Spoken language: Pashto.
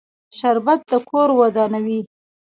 شربت د کور ودانوي